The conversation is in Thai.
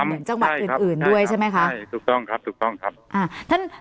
เหมือนจังหวัดอื่นด้วยใช่ไหมคะใช่ครับใช่ถูกต้องครับถูกต้องครับ